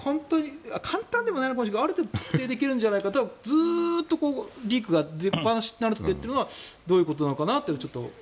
簡単じゃないかもしれないけどある程度特定できるんじゃないかとずっとリークが出っぱなしになっているのはどういうことなのかなと。